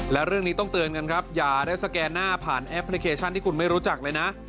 และเรื่องนี้ต้องเตือนกันครับอย่าได้สแกนหน้าผ่านแอปพลิเคชันที่คุณไม่รู้จักเลยนะ